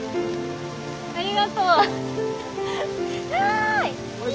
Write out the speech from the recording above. ありがとう。わい！